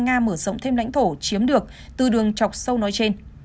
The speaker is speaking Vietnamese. và mở rộng thêm lãnh thổ chiếm được từ đường chọc sâu nói trên